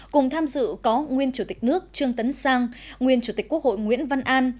cùng tham dự có nguyên chủ tịch nước trương tấn sang nguyên chủ tịch quốc hội nguyễn văn an